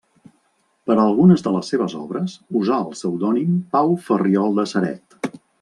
Per a algunes de les seves obres, usà el pseudònim Pau Ferriol de Ceret.